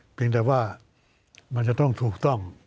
เพียงแต่ว่ามันจะต้องถูกต้อง